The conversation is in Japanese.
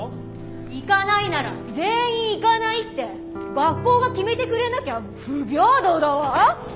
行かないなら全員行かないって学校が決めてくれなきゃ不平等だわ。